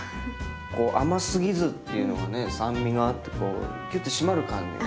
こう甘すぎずっていうのがね酸味があってキュッと締まる感じが。